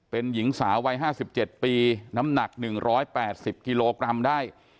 เป็นหญิงสาวัยห้าสิบเจ็ดปีน้ำหนักหนึ่งร้อยแปดสิบกิโลกรัมได้